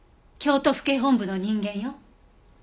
京都府警本部の人間よ。